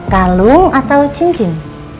kalung atau cincin